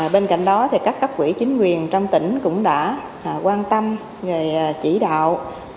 bên cạnh đó các cấp quỹ chính quyền trong tỉnh cũng đã quan tâm về chỉ đạo